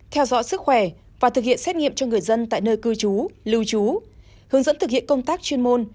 theo dõi sức khỏe và thực hiện xét nghiệm cho người dân tại nơi cư trú lưu trú hướng dẫn thực hiện công tác chuyên môn